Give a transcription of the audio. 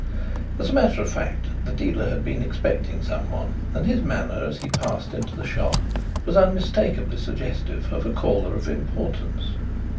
As a matter of fact the dealer had been expecting someone and his manner as he passed into the shop was unmistakably suggestive of a caller of importance.